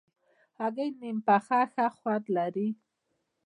هګۍ نیم پخه ښه خوند لري.